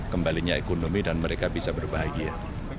kembalinya ekonomi dan mereka bisa berbahagia